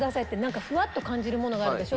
「フワッと感じるものがあるでしょ？」